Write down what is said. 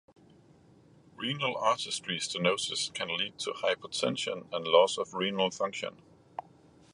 Renal artery stenosis can lead to hypertension and loss of renal function.